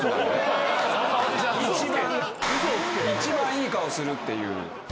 いちばんいい顔するっていう。